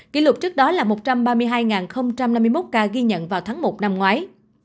kỷ lục trước đó là một trăm ba mươi hai năm mươi một ca ghi nhận vào tháng một năm ngoái